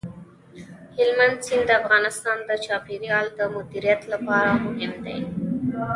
هلمند سیند د افغانستان د چاپیریال د مدیریت لپاره مهم دی.